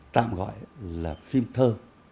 tạm gọi là phim thơ